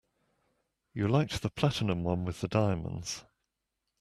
You liked the platinum one with the diamonds.